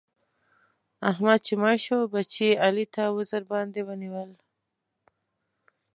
احمد چې مړ شو؛ بچي يې علي تر وزر باندې ونيول.